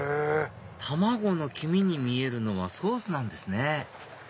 卵の黄身に見えるのはソースなんですね